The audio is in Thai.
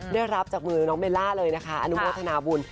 ได้รับจากมือน้องเบลล่าเลยนะคะอนุโมทนาบุญ